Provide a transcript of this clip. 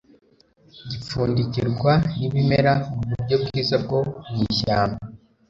Gipfundikirwa nibimera muburyo bwiza bwo mwishyamba